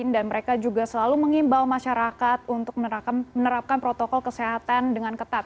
dan mereka juga selalu mengimbau masyarakat untuk menerapkan protokol kesehatan dengan ketat